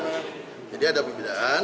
jadi ada perbedaan